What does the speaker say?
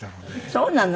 そうなの？